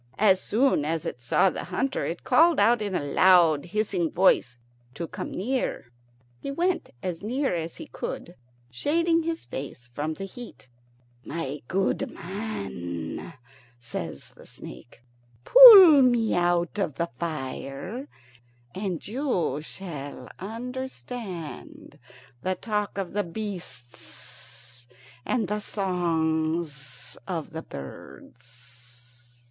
As soon as it saw the hunter it called out, in a loud hissing voice, to come near. He went as near as he could, shading his face from the heat. "My good man," says the snake, "pull me out of the fire, and you shall understand the talk of the beasts and the songs of the birds."